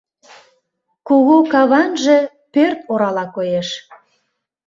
Кугу каванже пӧрт орала коеш.